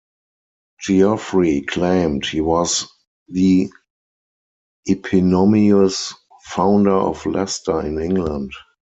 Geoffrey claimed he was the eponymous founder of Leicester in England.